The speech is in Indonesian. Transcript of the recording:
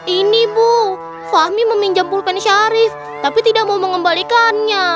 ini bu fahmi meminjam pulpen syarif tapi tidak mau mengembalikannya